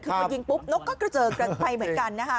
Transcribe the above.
คือพอยิงปุ๊บนกก็กระเจิงไปเหมือนกันนะคะ